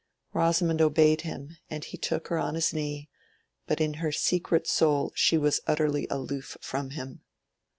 Rosamond obeyed him, and he took her on his knee, but in her secret soul she was utterly aloof from him.